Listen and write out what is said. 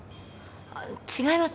違います。